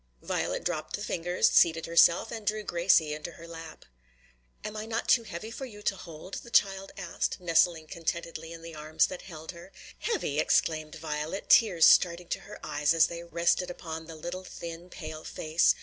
Violet dropped the fingers, seated herself, and drew Gracie into her lap. "Am I not too heavy for you to hold?" the child asked, nestling contentedly in the arms that held her. "Heavy!" exclaimed Violet, tears starting to her eyes as they rested upon the little thin, pale face.